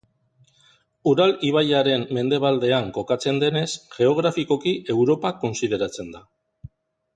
Ural ibaiaren mendebaldean kokatzen denez, geografikoki Europa kontsideratzen da.